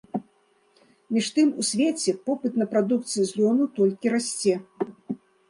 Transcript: Між тым у свеце попыт на прадукцыю з лёну толькі расце.